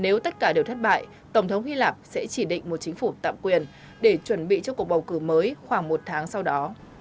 nếu tất cả đều thất bại tổng thống hy lạp sẽ chỉ định một chính phủ tạm quyền để chuẩn bị cho cuộc bầu cử mới khoảng một tháng sau đó